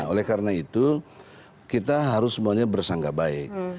nah oleh karena itu kita harus semuanya bersanggah baik